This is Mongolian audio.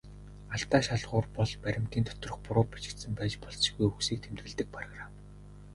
Алдаа шалгуур бол баримтын доторх буруу бичигдсэн байж болзошгүй үгсийг тэмдэглэдэг программ.